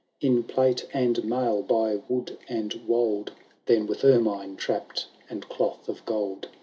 ConiUi L In plate and mail, by wood and wold, Than, with ennine trapped and cloth of gold.